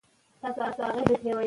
روحي تغذیه د انسان ارامۍ سبب ګرځي.